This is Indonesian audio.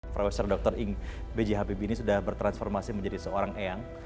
professor dr ing bj habib ini sudah bertransformasi menjadi seorang eang